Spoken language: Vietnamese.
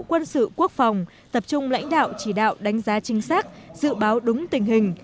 quân sự quốc phòng tập trung lãnh đạo chỉ đạo đánh giá chính xác dự báo đúng tình hình